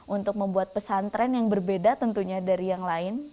untuk membuat pesantren yang berbeda tentunya dari yang lain